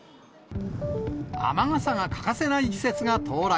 雨傘が欠かせない季節が到来。